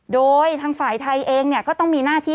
โดยทางฝ่ายไทยเองก็ต้องมีหน้าที่